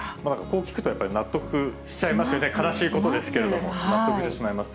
こう聞くとやっぱり、納得しちゃいますよね、悲しいことですけれども、納得してしまいます。